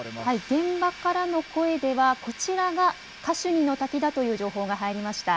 現場からの声では、こちらがカシュニの滝だという情報が入りました。